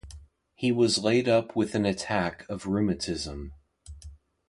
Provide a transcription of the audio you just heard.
He was laid up with an attack of rheumatism.